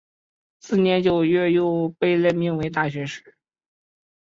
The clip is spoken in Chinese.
次年九月又被命为大学士。